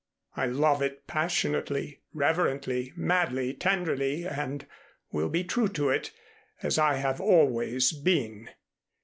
I love it passionately, reverently, madly, tenderly, and will be true to it, as I have always been.